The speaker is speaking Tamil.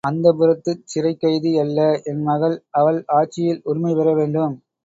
அந்தப்புரத்துச் சிறைக்கைதி அல்ல என் மகள் அவள் ஆட்சியில் உரிமை பெற வேண்டும்.